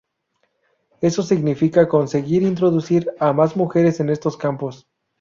Eso significa conseguir introducir a más mujeres en estos campos.